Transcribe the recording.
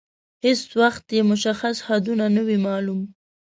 هیڅ وخت یې مشخص حدود نه وه معلوم.